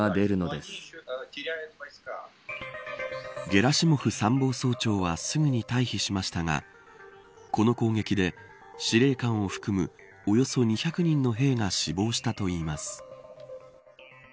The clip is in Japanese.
ゲラシモフ参謀総長はすぐに退避しましたがこの攻撃で、司令官を含むおよそ２００人の兵が死亡したといいます。